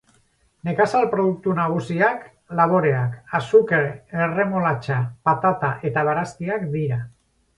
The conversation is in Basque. Nekazal produktu nagusiak laboreak, azukre-erremolatxa, patata eta barazkiak dira.